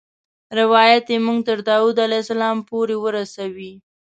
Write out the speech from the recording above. روایت یې موږ تر داود علیه السلام پورې ورسوي.